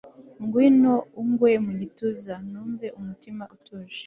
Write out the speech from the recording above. ngwino ungwe mu gituza, numve umutima utuje